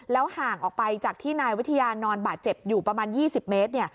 ห่างออกไปจากที่นายวิทยานอนบาดเจ็บอยู่ประมาณ๒๐เมตร